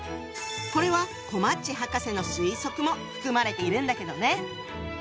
これはこまっち博士の推測も含まれているんだけどね。